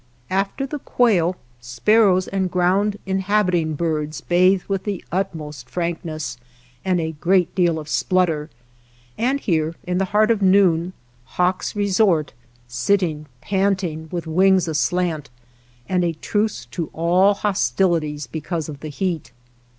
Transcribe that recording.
After the quail, sparrows and ground inhabiting birds bathe with the utmost frankness and a great deal of splutter; and here in the heart of noon hawks resort, sit ting panting, with wings aslant, and a truce to all hostilities because of the heat.